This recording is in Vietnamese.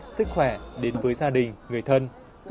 sức khỏe đến với gia đình người thân